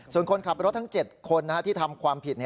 ส่วนคนขับรถทั้ง๗คนที่ทำความผิด